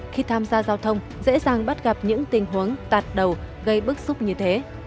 khi tham gia giao thông dễ dàng bắt gặp những tình huống tạt đầu gây bức xúc như thế